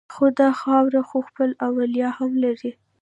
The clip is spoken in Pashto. خو دا خاوره خو خپل اولیاء هم لري